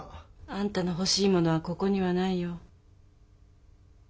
あんたの欲しいものはここにはないよ。